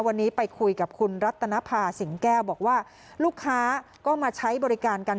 วันนี้ไปคุยกับคุณรัตนภาสิงแก้วบอกว่าลูกค้าก็มาใช้บริการกัน